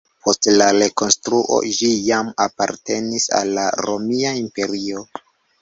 Post la rekonstruo ĝi jam apartenis al la Romia Imperio.